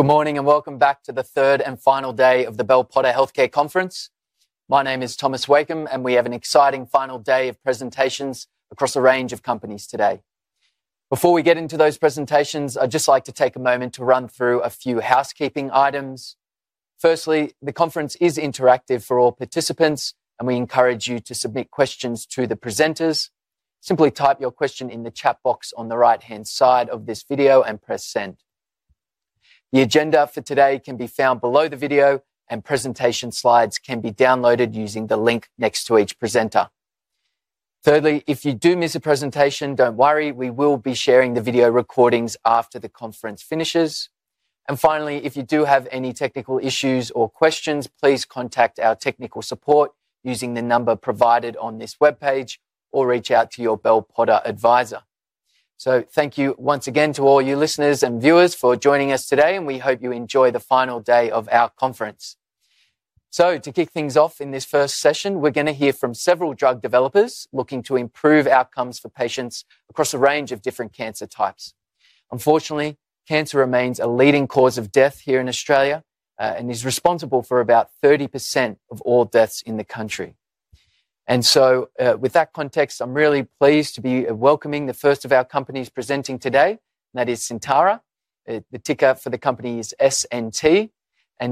Good morning and welcome back to the third and final day of the Bell Potter Healthcare Conference. My name is Thomas Wakem, and we have an exciting final day of presentations across a range of companies today. Before we get into those presentations, I'd just like to take a moment to run through a few housekeeping items. Firstly, the conference is interactive for all participants, and we encourage you to submit questions to the presenters. Simply type your question in the chat box on the right-hand side of this video and press send. The agenda for today can be found below the video, and presentation slides can be downloaded using the link next to each presenter. Thirdly, if you do miss a presentation, don't worry, we will be sharing the video recordings after the conference finishes. If you do have any technical issues or questions, please contact our technical support using the number provided on this webpage or reach out to your Bell Potter advisor. Thank you once again to all you listeners and viewers for joining us today, and we hope you enjoy the final day of our conference. To kick things off in this first session, we're going to hear from several drug developers looking to improve outcomes for patients across a range of different cancer types. Unfortunately, cancer remains a leading cause of death here in Australia and is responsible for about 30% of all deaths in the country. With that context, I'm really pleased to be welcoming the first of our companies presenting today, and that is Syntara. The ticker for the company is SNT.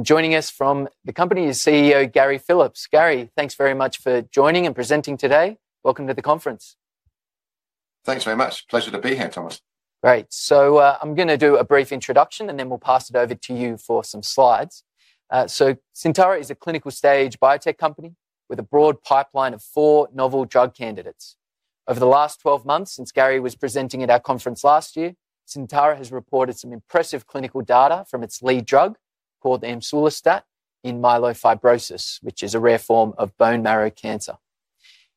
Joining us from the company is CEO Gary Phillips. Gary, thanks very much for joining and presenting today. Welcome to the conference. Thanks very much. Pleasure to be here, Thomas. Great. I am going to do a brief introduction, and then we will pass it over to you for some slides. Syntara is a clinical stage biotech company with a broad pipeline of four novel drug candidates. Over the last 12 months, since Gary was presenting at our conference last year, Syntara has reported some impressive clinical data from its lead drug called Amsulostat in myelofibrosis, which is a rare form of bone marrow cancer.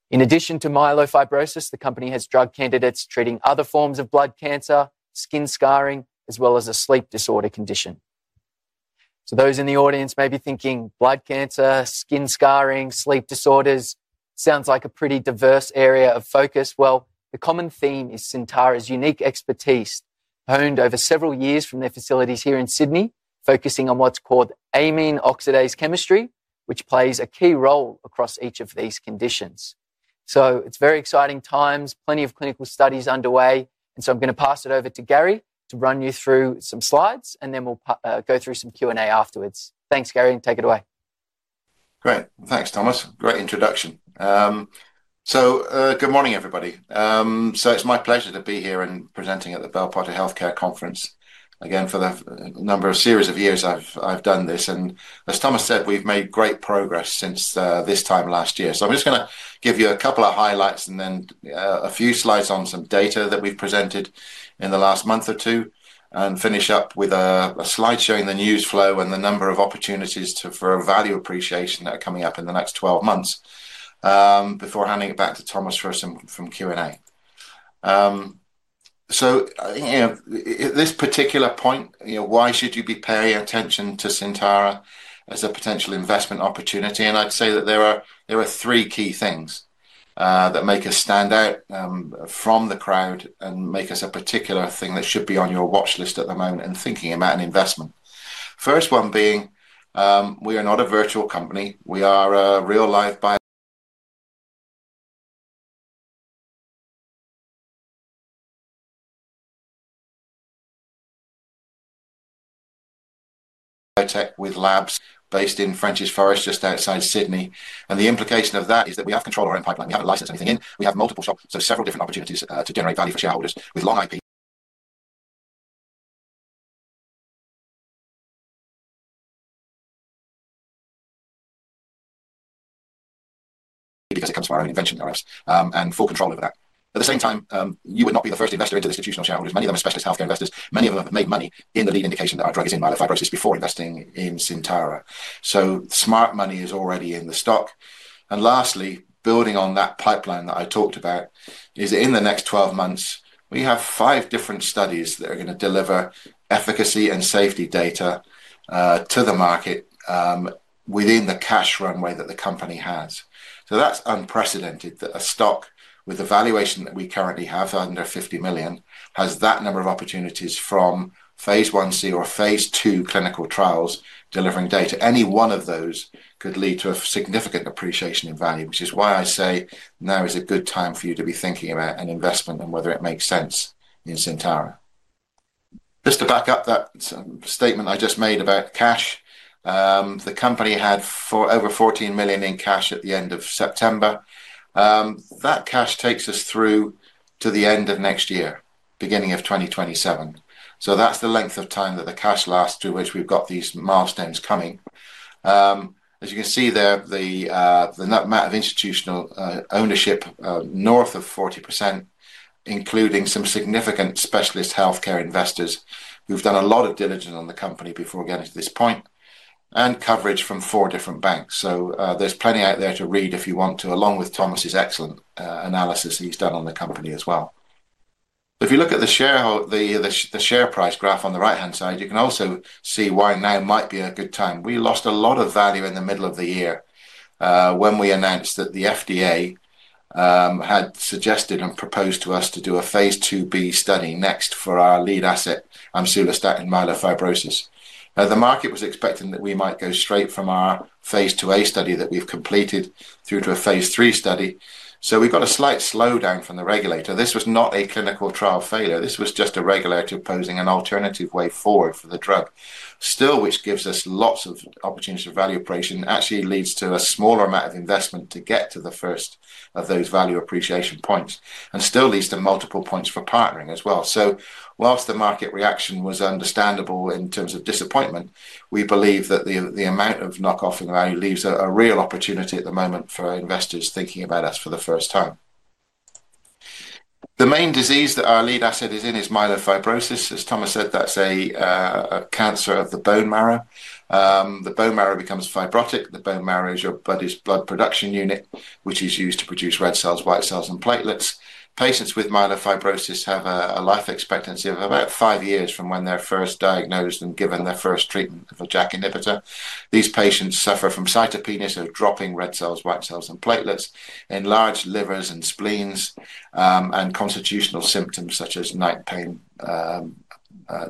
In addition to myelofibrosis, the company has drug candidates treating other forms of blood cancer, skin scarring, as well as a sleep disorder condition. Those in the audience may be thinking blood cancer, skin scarring, sleep disorders sounds like a pretty diverse area of focus. The common theme is Syntara's unique expertise honed over several years from their facilities here in Sydney, focusing on what's called amine oxidase chemistry, which plays a key role across each of these conditions. It is very exciting times, plenty of clinical studies underway. I am going to pass it over to Gary to run you through some slides, and then we will go through some Q&A afterwards. Thanks, Gary, and take it away. Great. Thanks, Thomas. Great introduction. Good morning, everybody. It's my pleasure to be here and presenting at the Bell Potter Healthcare Conference. Again, for the number of series of years I've done this, and as Thomas said, we've made great progress since this time last year. I'm just going to give you a couple of highlights and then a few slides on some data that we've presented in the last month or two, and finish up with a slide showing the news flow and the number of opportunities for value appreciation that are coming up in the next 12 months before handing it back to Thomas for some Q&A. At this particular point, why should you be paying attention to Syntara as a potential investment opportunity? I'd say that there are three key things that make us stand out from the crowd and make us a particular thing that should be on your watch list at the moment and thinking about an investment. The first one being, we are not a virtual company. We are a real-life biotech with labs based in French's Forest just outside Sydney. The implication of that is that we have control over our own pipeline. We haven't licensed anything in. We have multiple shops, so several different opportunities to generate value for shareholders with long IP because it comes from our own invention and full control over that. At the same time, you would not be the first investor into institutional shareholders. Many of them are specialist healthcare investors. Many of them have made money in the lead indication that our drug is in myelofibrosis before investing in Syntara. Smart money is already in the stock. Lastly, building on that pipeline that I talked about, in the next 12 months, we have five different studies that are going to deliver efficacy and safety data to the market within the cash runway that the company has. That is unprecedented that a stock with the valuation that we currently have under $50 million has that number of opportunities from phase one C or phase two clinical trials delivering data. Any one of those could lead to a significant appreciation in value, which is why I say now is a good time for you to be thinking about an investment and whether it makes sense in Syntara. Just to back up that statement I just made about cash, the company had over $14 million in cash at the end of September. That cash takes us through to the end of next year, beginning of 2027. That is the length of time that the cash lasts through which we've got these milestones coming. As you can see there, the amount of institutional ownership north of 40%, including some significant specialist healthcare investors who've done a lot of diligence on the company before getting to this point, and coverage from four different banks. There is plenty out there to read if you want to, along with Thomas's excellent analysis he's done on the company as well. If you look at the share price graph on the right-hand side, you can also see why now might be a good time. We lost a lot of value in the middle of the year when we announced that the FDA had suggested and proposed to us to do a phase 2b study next for our lead asset, Amsulostat in myelofibrosis. The market was expecting that we might go straight from our phase 2a study that we've completed through to a phase 3 study. We got a slight slowdown from the regulator. This was not a clinical trial failure. This was just a regulator posing an alternative way forward for the drug. Still, which gives us lots of opportunities for value operation, actually leads to a smaller amount of investment to get to the first of those value appreciation points and still leads to multiple points for partnering as well. Whilst the market reaction was understandable in terms of disappointment, we believe that the amount of knockoff in the value leaves a real opportunity at the moment for investors thinking about us for the first time. The main disease that our lead asset is in is myelofibrosis. As Thomas said, that's a cancer of the bone marrow. The bone marrow becomes fibrotic. The bone marrow is your blood production unit, which is used to produce red cells, white cells, and platelets. Patients with myelofibrosis have a life expectancy of about five years from when they're first diagnosed and given their first treatment of a JAK inhibitor. These patients suffer from cytopenias of dropping red cells, white cells, and platelets, enlarged livers and spleens, and constitutional symptoms such as night pain,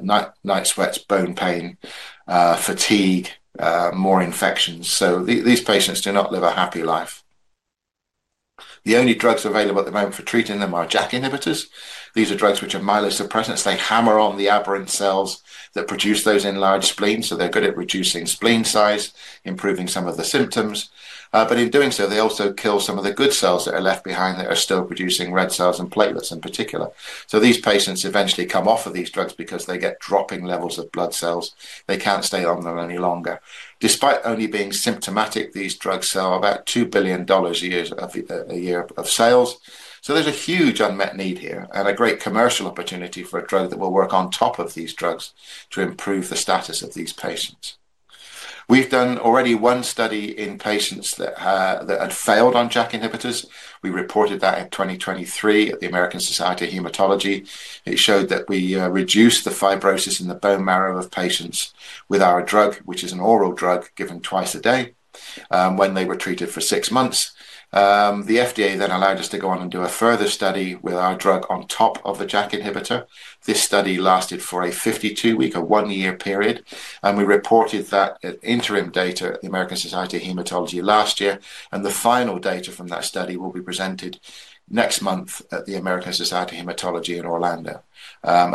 night sweats, bone pain, fatigue, more infections. These patients do not live a happy life. The only drugs available at the moment for treating them are JAK inhibitors. These are drugs which are myelosuppressants. They hammer on the aberrant cells that produce those enlarged spleens. They are good at reducing spleen size, improving some of the symptoms. In doing so, they also kill some of the good cells that are left behind that are still producing red cells and platelets in particular. These patients eventually come off of these drugs because they get dropping levels of blood cells. They cannot stay on them any longer. Despite only being symptomatic, these drugs sell about $2 billion a year of sales. There is a huge unmet need here and a great commercial opportunity for a drug that will work on top of these drugs to improve the status of these patients. We have done already one study in patients that had failed on JAK inhibitors. We reported that in 2023 at the American Society of Hematology. It showed that we reduced the fibrosis in the bone marrow of patients with our drug, which is an oral drug given twice a day when they were treated for six months. The FDA then allowed us to go on and do a further study with our drug on top of the JAK inhibitor. This study lasted for a 52-week or one-year period. We reported that interim data at the American Society of Hematology last year. The final data from that study will be presented next month at the American Society of Hematology in Orlando.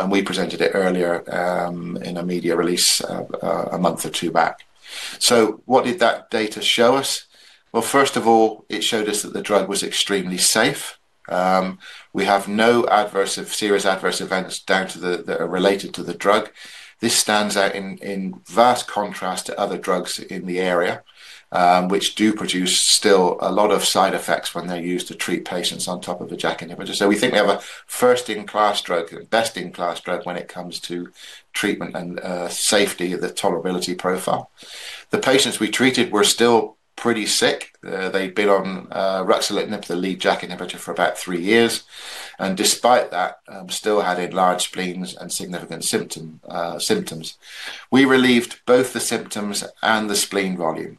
We presented it earlier in a media release a month or two back. What did that data show us? First of all, it showed us that the drug was extremely safe. We have no adverse or serious adverse events that are related to the drug. This stands out in vast contrast to other drugs in the area, which do produce still a lot of side effects when they're used to treat patients on top of a JAK inhibitor. We think we have a first-in-class drug, best-in-class drug when it comes to treatment and safety of the tolerability profile. The patients we treated were still pretty sick. They'd been on ruxolitinib, the lead JAK inhibitor, for about three years. Despite that, they still had enlarged spleens and significant symptoms. We relieved both the symptoms and the spleen volume.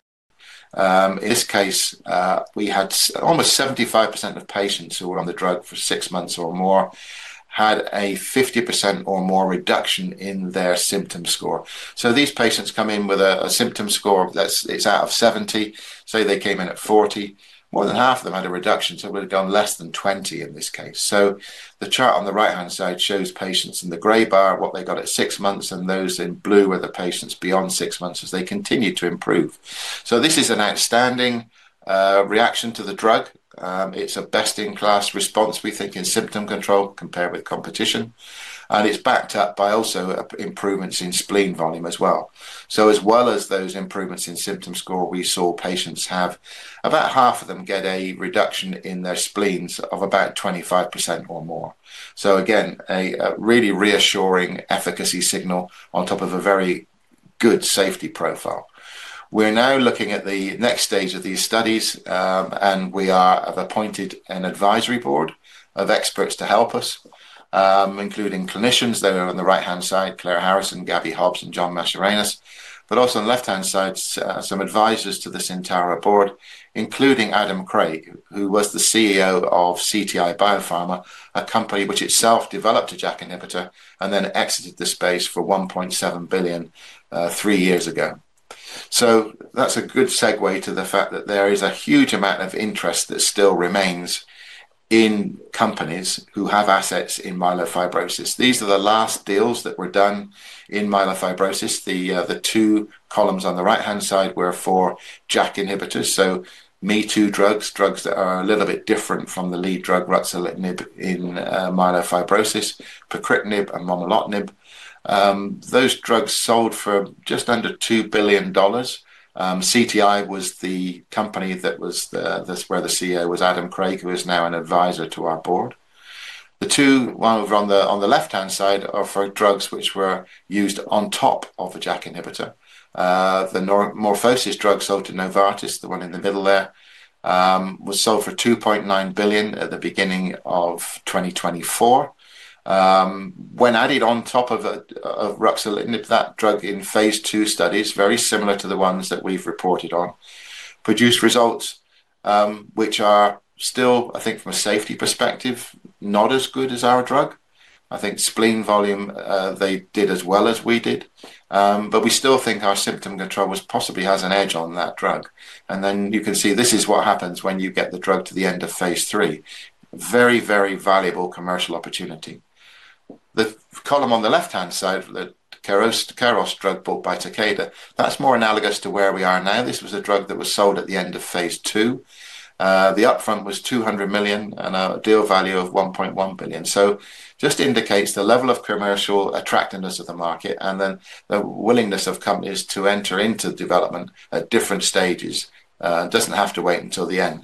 In this case, we had almost 75% of patients who were on the drug for six months or more had a 50% or more reduction in their symptom score. These patients come in with a symptom score that's out of 70. Say they came in at 40. More than half of them had a reduction. We've gone less than 20 in this case. The chart on the right-hand side shows patients in the gray bar what they got at six months, and those in blue were the patients beyond six months as they continued to improve. This is an outstanding reaction to the drug. It's a best-in-class response, we think, in symptom control compared with competition. It's backed up by also improvements in spleen volume as well. As well as those improvements in symptom score, we saw patients have about half of them get a reduction in their spleens of about 25% or more. Again, a really reassuring efficacy signal on top of a very good safety profile. We're now looking at the next stage of these studies, and we have appointed an advisory board of experts to help us, including clinicians. They were on the right-hand side, Claire Harrison, Gabby Hobbs, and John Mascarenhas, but also on the left-hand side, some advisors to the Syntara board, including Adam Craig, who was the CEO of CTI Biopharma, a company which itself developed a JAK inhibitor and then exited the space for $1.7 billion three years ago. That's a good segue to the fact that there is a huge amount of interest that still remains in companies who have assets in myelofibrosis. These are the last deals that were done in myelofibrosis. The two columns on the right-hand side were for JAK inhibitors. Me Too drugs, drugs that are a little bit different from the lead drug ruxolitinib in myelofibrosis, pacritinib, and momelotinib. Those drugs sold for just under $2 billion. CTI was the company that was where the CEO was Adam Craig, who is now an advisor to our board. The two ones on the left-hand side are for drugs which were used on top of a JAK inhibitor. The MorphoSys drug sold to Novartis, the one in the middle there, was sold for $2.9 billion at the beginning of 2024. When added on top of ruxolitinib, that drug in phase two studies, very similar to the ones that we've reported on, produced results which are still, I think, from a safety perspective, not as good as our drug. I think spleen volume, they did as well as we did. We still think our symptom control was possibly has an edge on that drug. You can see this is what happens when you get the drug to the end of phase three. Very, very valuable commercial opportunity. The column on the left-hand side, the Kairos drug bought by Takeda, that's more analogous to where we are now. This was a drug that was sold at the end of phase two. The upfront was $200 million and a deal value of $1.1 billion. This just indicates the level of commercial attractiveness of the market and the willingness of companies to enter into development at different stages. It does not have to wait until the end.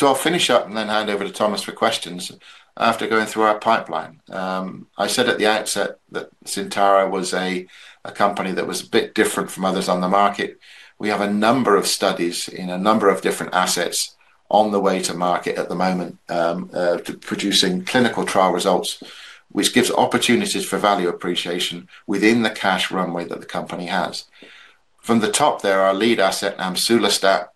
I will finish up and then hand over to Thomas for questions after going through our pipeline. I said at the outset that Syntara was a company that was a bit different from others on the market. We have a number of studies in a number of different assets on the way to market at the moment producing clinical trial results, which gives opportunities for value appreciation within the cash runway that the company has. From the top, there are lead asset Amsulostat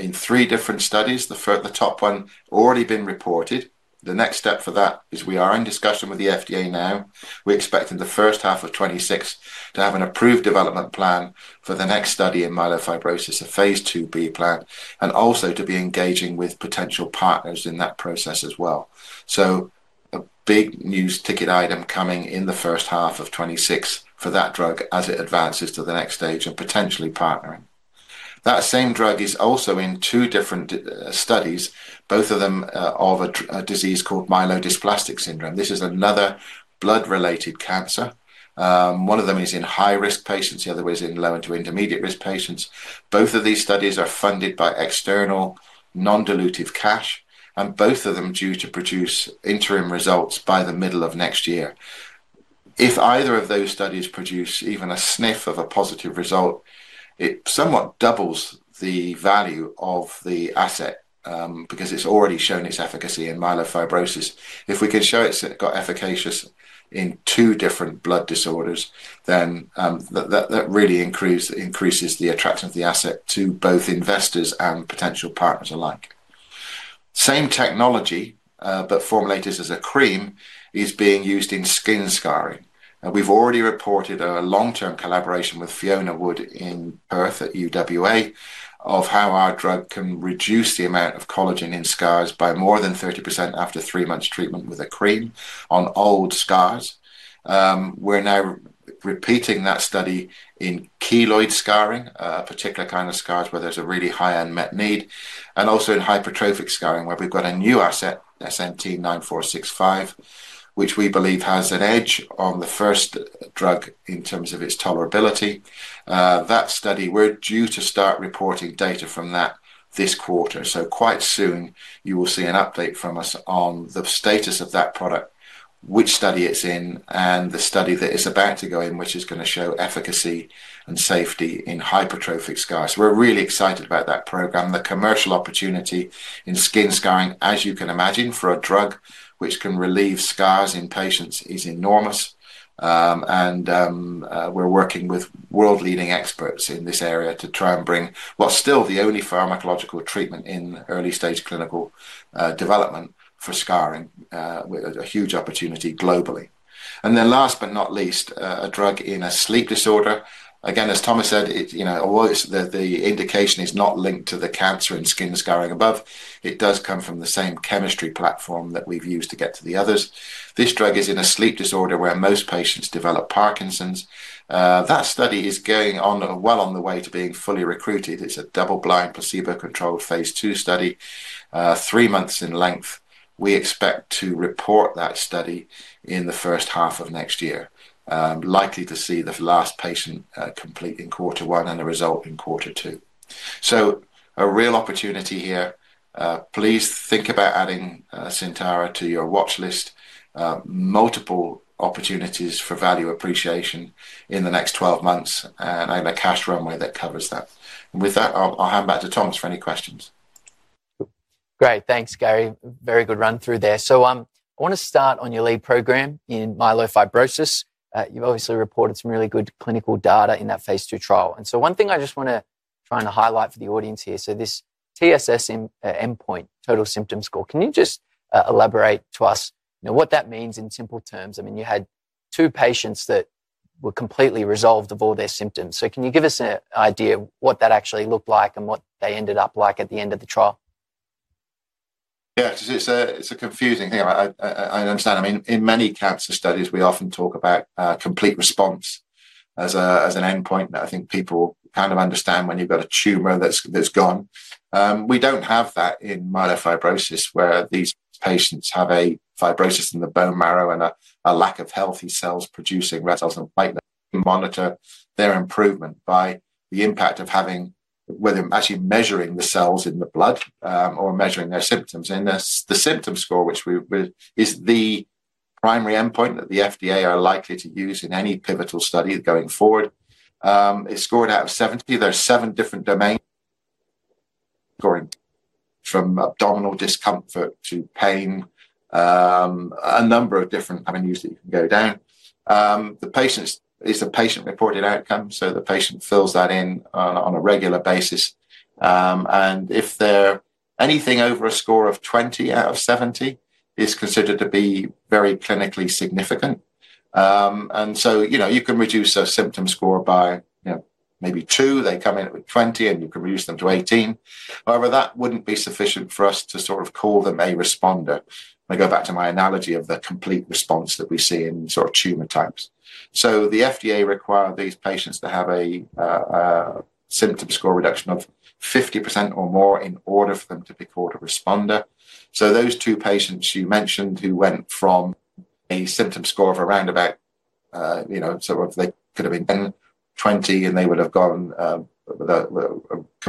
in three different studies. The top one already been reported. The next step for that is we are in discussion with the FDA now. We're expecting the first half of 2026 to have an approved development plan for the next study in myelofibrosis, a phase 2b plan, and also to be engaging with potential partners in that process as well. A big news ticket item coming in the first half of 2026 for that drug as it advances to the next stage and potentially partnering. That same drug is also in two different studies, both of them of a disease called myelodysplastic syndrome. This is another blood-related cancer. One of them is in high-risk patients. The other one is in low and to intermediate-risk patients. Both of these studies are funded by external non-dilutive cash, and both of them due to produce interim results by the middle of next year. If either of those studies produce even a sniff of a positive result, it somewhat doubles the value of the asset because it's already shown its efficacy in myelofibrosis. If we can show it's got efficacious in two different blood disorders, then that really increases the attraction of the asset to both investors and potential partners alike. Same technology, but formulated as a cream, is being used in skin scarring. We've already reported a long-term collaboration with Fiona Wood in Perth at UWA of how our drug can reduce the amount of collagen in scars by more than 30% after three months treatment with a cream on old scars. We're now repeating that study in keloid scarring, a particular kind of scars where there's a really high unmet need, and also in hypertrophic scarring where we've got a new asset, SNT-9465, which we believe has an edge on the first drug in terms of its tolerability. That study, we're due to start reporting data from that this quarter. Quite soon, you will see an update from us on the status of that product, which study it's in, and the study that is about to go in, which is going to show efficacy and safety in hypertrophic scars. We're really excited about that program. The commercial opportunity in skin scarring, as you can imagine, for a drug which can relieve scars in patients is enormous. We are working with world-leading experts in this area to try and bring what is still the only pharmacological treatment in early-stage clinical development for scarring, a huge opportunity globally. Last but not least, a drug in a sleep disorder. Again, as Thomas said, the indication is not linked to the cancer in skin scarring above. It does come from the same chemistry platform that we have used to get to the others. This drug is in a sleep disorder where most patients develop Parkinson's. That study is well on the way to being fully recruited. It is a double-blind, placebo-controlled phase two study, three months in length. We expect to report that study in the first half of next year, likely to see the last patient complete in quarter one and a result in quarter two. A real opportunity here. Please think about adding Syntara to your watchlist. Multiple opportunities for value appreciation in the next 12 months and a cash runway that covers that. With that, I'll hand back to Thomas for any questions. Great. Thanks, Gary. Very good run-through there. I want to start on your lead program in myelofibrosis. You've obviously reported some really good clinical data in that phase two trial. One thing I just want to try and highlight for the audience here, this TSS endpoint, total symptom score, can you just elaborate to us what that means in simple terms? I mean, you had two patients that were completely resolved of all their symptoms. Can you give us an idea of what that actually looked like and what they ended up like at the end of the trial? Yeah, it's a confusing thing. I understand. I mean, in many cancer studies, we often talk about complete response as an endpoint. I think people kind of understand when you've got a tumor that's gone. We don't have that in myelofibrosis where these patients have a fibrosis in the bone marrow and a lack of healthy cells producing vessels and platelets to monitor their improvement by the impact of actually measuring the cells in the blood or measuring their symptoms. The symptom score, which is the primary endpoint that the FDA are likely to use in any pivotal study going forward, is scored out of 70. There are seven different domains scoring from abdominal discomfort to pain, a number of different avenues that you can go down. The patient is the patient-reported outcome. The patient fills that in on a regular basis. If they're anything over a score of 20 out of 70, it's considered to be very clinically significant. You can reduce their symptom score by maybe 2. They come in with 20, and you can reduce them to 18. However, that wouldn't be sufficient for us to sort of call them a responder. I go back to my analogy of the complete response that we see in sort of tumor types. The FDA required these patients to have a symptom score reduction of 50% or more in order for them to be called a responder. Those two patients you mentioned who went from a symptom score of around about sort of they could have been 10, 20, and they would have gotten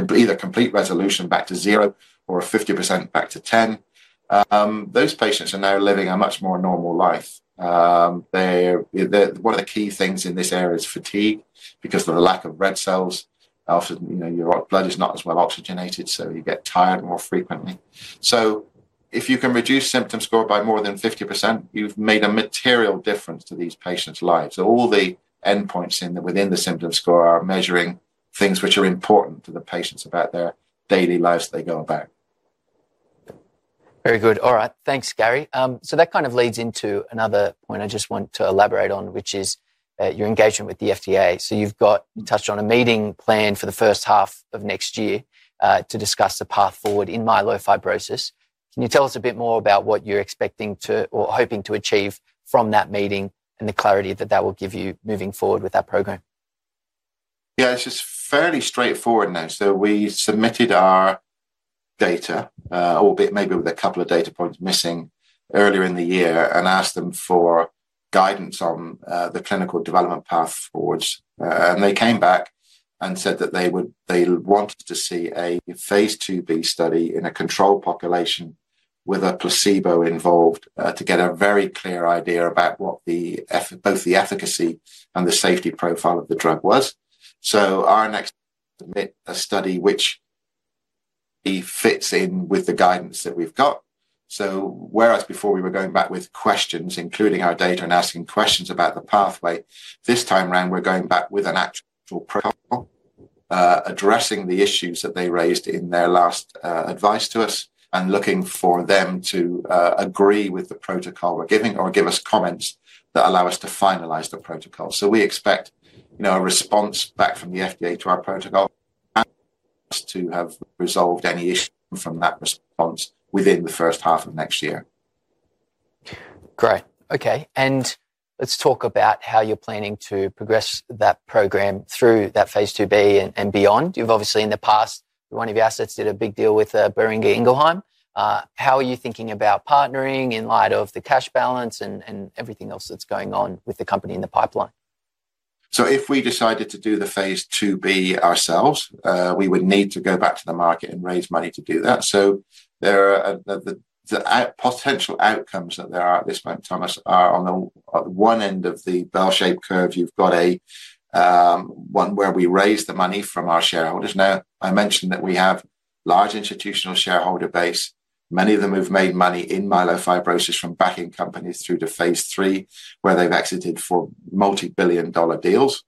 either complete resolution back to 0 or 50% back to 10, those patients are now living a much more normal life. One of the key things in this area is fatigue because of the lack of red cells. Often, your blood is not as well oxygenated, so you get tired more frequently. If you can reduce symptom score by more than 50%, you've made a material difference to these patients' lives. All the endpoints within the symptom score are measuring things which are important to the patients about their daily lives they go about. Very good. All right. Thanks, Gary. That kind of leads into another point I just want to elaborate on, which is your engagement with the FDA. You've touched on a meeting planned for the first half of next year to discuss the path forward in myelofibrosis. Can you tell us a bit more about what you're expecting or hoping to achieve from that meeting and the clarity that that will give you moving forward with that program? Yeah, it's just fairly straightforward now. We submitted our data, or maybe with a couple of data points missing earlier in the year, and asked them for guidance on the clinical development path forwards. They came back and said that they wanted to see a phase two B study in a control population with a placebo involved to get a very clear idea about what both the efficacy and the safety profile of the drug was. Our next step is to submit a study which fits in with the guidance that we've got. Whereas before we were going back with questions, including our data and asking questions about the pathway, this time around we're going back with an actual protocol addressing the issues that they raised in their last advice to us and looking for them to agree with the protocol we're giving or give us comments that allow us to finalize the protocol. We expect a response back from the FDA to our protocol to have resolved any issue from that response within the first half of next year. Great. Okay. Let's talk about how you're planning to progress that program through that phase two B and beyond. You've obviously in the past, one of your assets did a big deal with Boehringer Ingelheim. How are you thinking about partnering in light of the cash balance and everything else that's going on with the company in the pipeline? If we decided to do the phase two B ourselves, we would need to go back to the market and raise money to do that. The potential outcomes that there are at this point, Thomas, are on the one end of the bell-shaped curve, you've got one where we raise the money from our shareholders. I mentioned that we have large institutional shareholder base. Many of them have made money in myelofibrosis from backing companies through to phase three where they've exited for multi-billion dollar deals.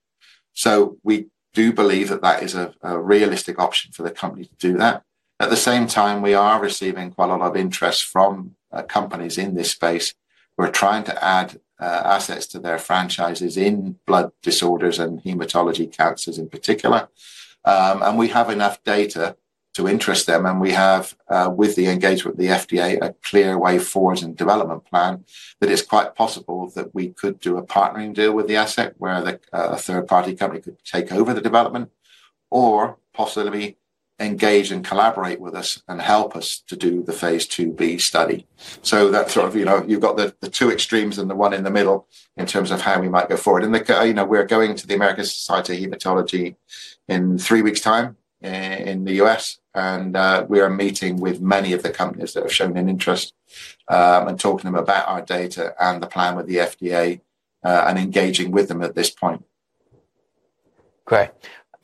We do believe that that is a realistic option for the company to do that. At the same time, we are receiving quite a lot of interest from companies in this space who are trying to add assets to their franchises in blood disorders and hematology cancers in particular. We have enough data to interest them. We have, with the engagement of the FDA, a clear way forward and development plan that it's quite possible that we could do a partnering deal with the asset where a third-party company could take over the development or possibly engage and collaborate with us and help us to do the phase two B study. That's sort of you've got the two extremes and the one in the middle in terms of how we might go forward. We are going to the American Society of Hematology in three weeks' time in the U.S. We are meeting with many of the companies that have shown an interest and talking to them about our data and the plan with the FDA and engaging with them at this point. Great.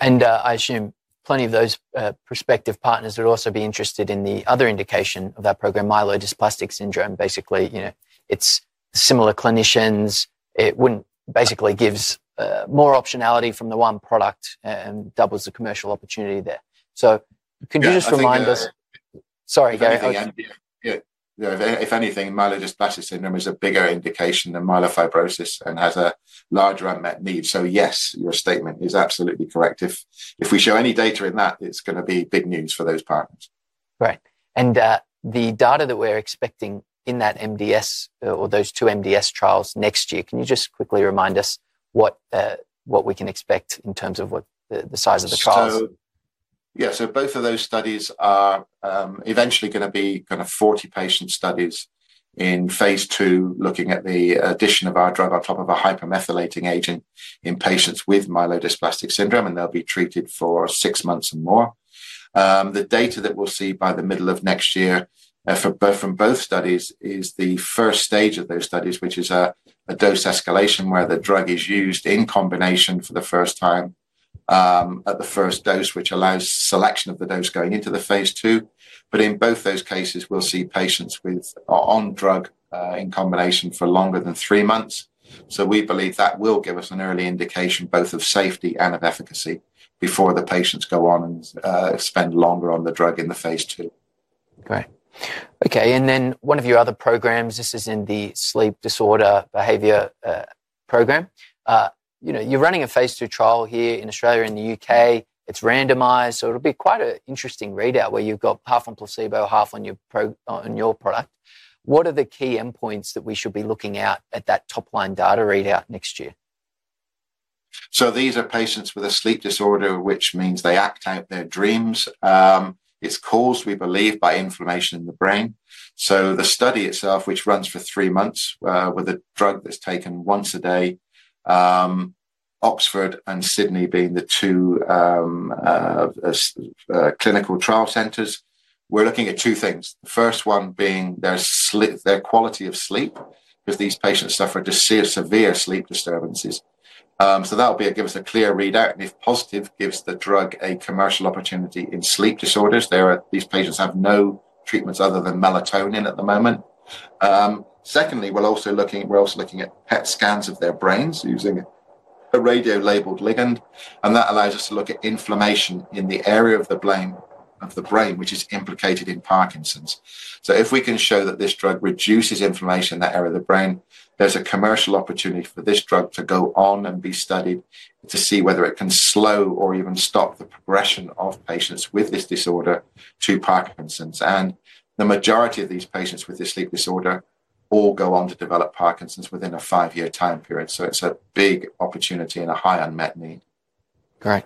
I assume plenty of those prospective partners would also be interested in the other indication of that program, myelodysplastic syndrome. Basically, it is similar clinicians. It basically gives more optionality from the one product and doubles the commercial opportunity there. Could you just remind us? Sorry, Gary. If anything, myelodysplastic syndrome is a bigger indication than myelofibrosis and has a larger unmet need. Yes, your statement is absolutely correct. If we show any data in that, it is going to be big news for those partners. Right. The data that we're expecting in that MDS or those two MDS trials next year, can you just quickly remind us what we can expect in terms of the size of the trials? Yeah. Both of those studies are eventually going to be kind of 40-patient studies in phase two, looking at the addition of our drug on top of a hypermethylating agent in patients with myelodysplastic syndrome, and they'll be treated for six months and more. The data that we'll see by the middle of next year from both studies is the first stage of those studies, which is a dose escalation where the drug is used in combination for the first time at the first dose, which allows selection of the dose going into the phase two. In both those cases, we'll see patients on drug in combination for longer than three months. We believe that will give us an early indication both of safety and of efficacy before the patients go on and spend longer on the drug in the phase two. Great. Okay. One of your other programs, this is in the sleep disorder behavior program. You're running a phase two trial here in Australia, in the U.K. It's randomized. It will be quite an interesting readout where you've got half on placebo, half on your product. What are the key endpoints that we should be looking at at that top-line data readout next year? These are patients with a sleep disorder, which means they act out their dreams. It's caused, we believe, by inflammation in the brain. The study itself, which runs for three months with a drug that's taken once a day, Oxford and Sydney being the two clinical trial centers, we're looking at two things. The first one being their quality of sleep because these patients suffer severe sleep disturbances. That'll give us a clear readout. If positive, gives the drug a commercial opportunity in sleep disorders. These patients have no treatments other than melatonin at the moment. Secondly, we're also looking at PET scans of their brains using a radio-labeled ligand. That allows us to look at inflammation in the area of the brain, which is implicated in Parkinson's. If we can show that this drug reduces inflammation in that area of the brain, there's a commercial opportunity for this drug to go on and be studied to see whether it can slow or even stop the progression of patients with this disorder to Parkinson's. The majority of these patients with this sleep disorder all go on to develop Parkinson's within a five-year time period. It is a big opportunity and a high unmet need. Great.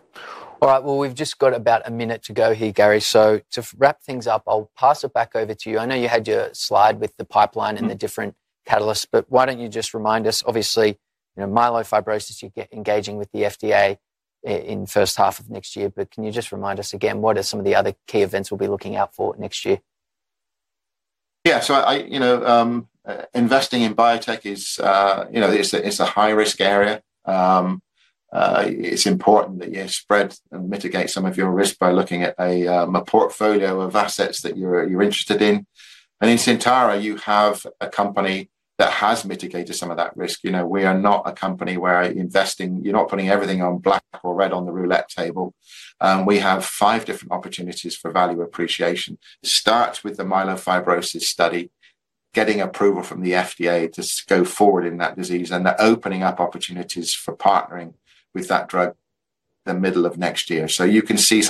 All right. We've just got about a minute to go here, Gary. To wrap things up, I'll pass it back over to you. I know you had your slide with the pipeline and the different catalysts, but why don't you just remind us? Obviously, myelofibrosis, you're engaging with the FDA in the first half of next year. Can you just remind us again, what are some of the other key events we'll be looking out for next year? Yeah. Investing in biotech is a high-risk area. It's important that you spread and mitigate some of your risk by looking at a portfolio of assets that you're interested in. In Syntara, you have a company that has mitigated some of that risk. We are not a company where you're putting everything on black or red on the roulette table. We have five different opportunities for value appreciation. Start with the myelofibrosis study, getting approval from the FDA to go forward in that disease, and opening up opportunities for partnering with that drug the middle of next year. You can see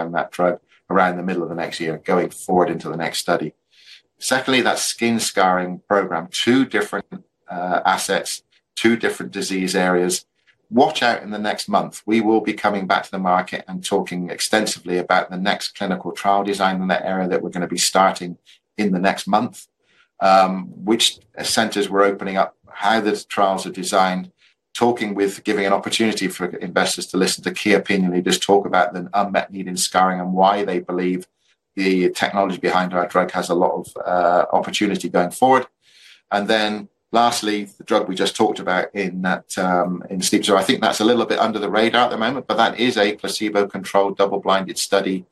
that drug around the middle of next year going forward into the next study. Secondly, that skin scarring program, two different assets, two different disease areas. Watch out in the next month. We will be coming back to the market and talking extensively about the next clinical trial design in that area that we're going to be starting in the next month, which centers we're opening up, how the trials are designed, giving an opportunity for investors to listen to key opinion leaders talk about the unmet need in scarring and why they believe the technology behind our drug has a lot of opportunity going forward. Lastly, the drug we just talked about in sleep disorder. I think that's a little bit under the radar at the moment, but that is a placebo-controlled double-blinded study,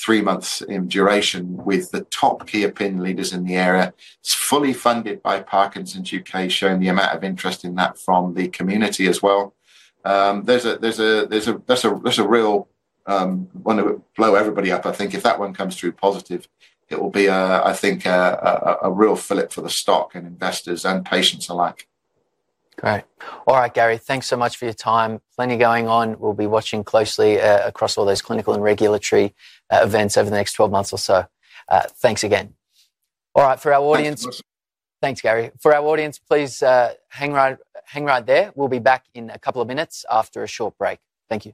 three months in duration, with the top key opinion leaders in the area. It's fully funded by Parkinson's UK, showing the amount of interest in that from the community as well. That's a real one that will blow everybody up, I think. If that one comes through positive, it will be, I think, a real flip for the stock and investors and patients alike. Great. All right, Gary. Thanks so much for your time. Plenty going on. We'll be watching closely across all those clinical and regulatory events over the next 12 months or so. Thanks again. All right. Thanks, Gary. For our audience, please hang right there. We'll be back in a couple of minutes after a short break. Thank you.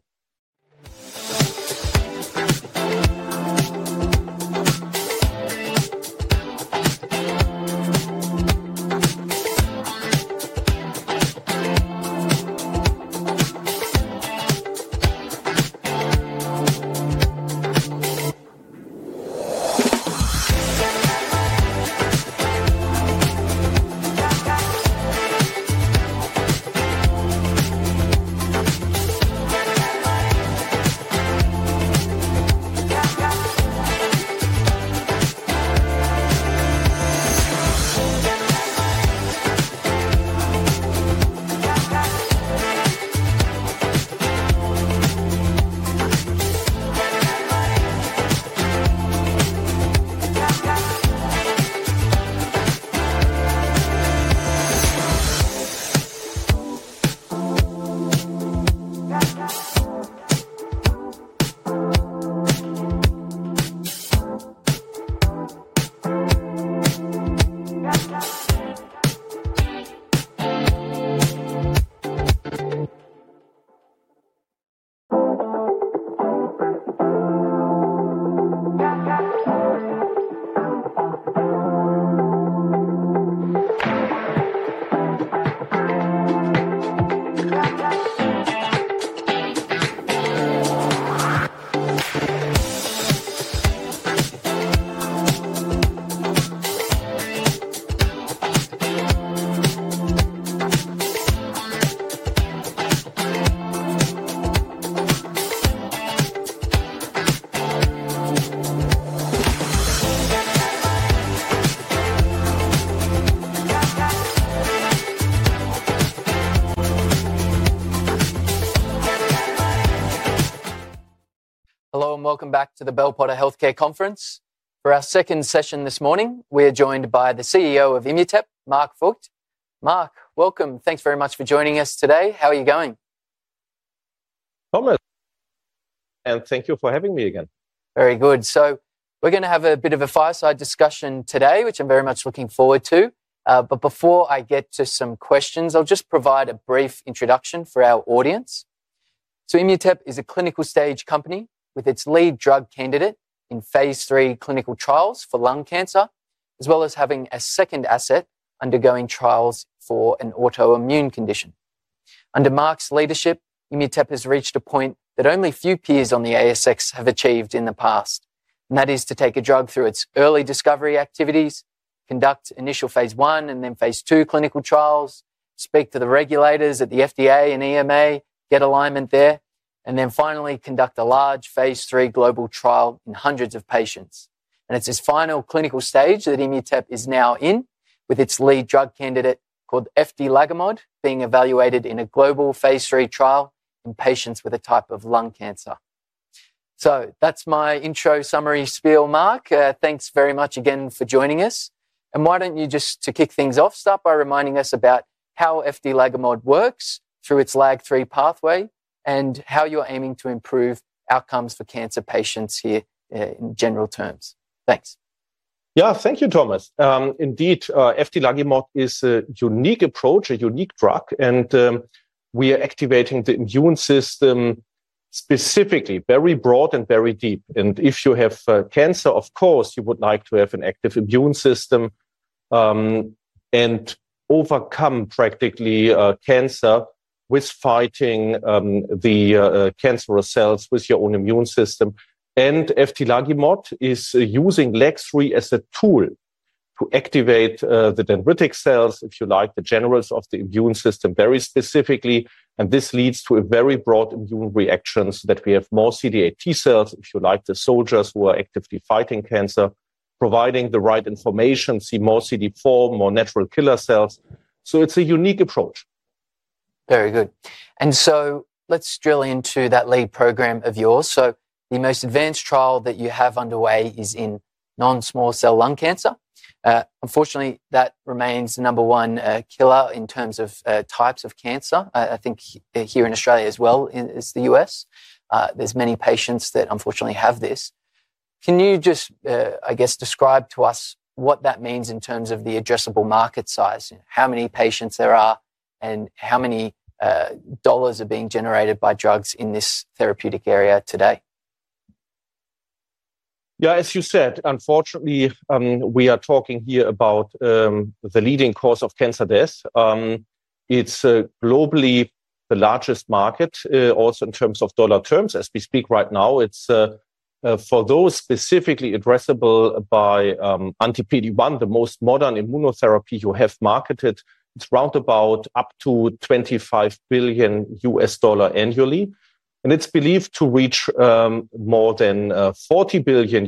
Hello and welcome back to the Bell Potter Healthcare Conference. For our second session this morning, we are joined by the CEO of Immutep, Marc Voigt. Marc, welcome. Thanks very much for joining us today. How are you going? Thomas. Thank you for having me again. Very good. We are going to have a bit of a fireside discussion today, which I am very much looking forward to. Before I get to some questions, I will just provide a brief introduction for our audience. Immutep is a clinical stage company with its lead drug candidate in phase three clinical trials for lung cancer, as well as having a second asset undergoing trials for an autoimmune condition. Under Marc's leadership, Immutep has reached a point that only few peers on the ASX have achieved in the past. That is to take a drug through its early discovery activities, conduct initial phase one and then phase two clinical trials, speak to the regulators at the FDA and EMA, get alignment there, and then finally conduct a large phase three global trial in hundreds of patients. It is this final clinical stage that Immutep is now in, with its lead drug candidate called eftilagimod being evaluated in a global phase three trial in patients with a type of lung cancer. That is my intro summary spiel, Marc. Thanks very much again for joining us. Why do you not just, to kick things off, start by reminding us about how eftilagimod works through its LAG-3 pathway and how you are aiming to improve outcomes for cancer patients here in general terms. Thanks. Yeah, thank you, Thomas. Indeed, eftilagimod is a unique approach, a unique drug. We are activating the immune system specifically, very broad and very deep. If you have cancer, of course, you would like to have an active immune system and overcome practically cancer with fighting the cancerous cells with your own immune system. Eftilagimod is using LAG-3 as a tool to activate the dendritic cells, if you like, the generals of the immune system very specifically. This leads to a very broad immune reaction so that we have more CD8 T cells, if you like, the soldiers who are actively fighting cancer, providing the right information, see more CD4, more natural killer cells. It is a unique approach. Very good. Let's drill into that lead program of yours. The most advanced trial that you have underway is in non-small cell lung cancer. Unfortunately, that remains the number one killer in terms of types of cancer. I think here in Australia as well as the US, there are many patients that unfortunately have this. Can you just, I guess, describe to us what that means in terms of the addressable market size, how many patients there are, and how many dollars are being generated by drugs in this therapeutic area today? Yeah, as you said, unfortunately, we are talking here about the leading cause of cancer death. It's globally the largest market, also in terms of dollar terms. As we speak right now, for those specifically addressable by anti-PD-1, the most modern immunotherapy you have marketed, it's round about up to $25 billion annually. And it's believed to reach more than $40 billion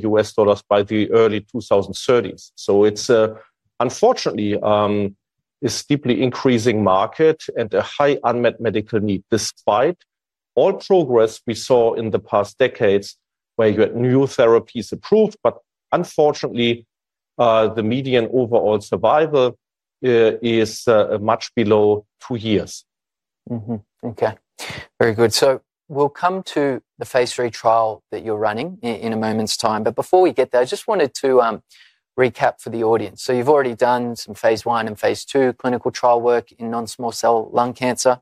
by the early 2030s. Unfortunately, it's a deeply increasing market and a high unmet medical need. Despite all progress we saw in the past decades where you had new therapies approved, but unfortunately, the median overall survival is much below two years. Okay. Very good. We'll come to the phase three trial that you're running in a moment's time. Before we get there, I just wanted to recap for the audience. You've already done some phase one and phase two clinical trial work in non-small cell lung cancer.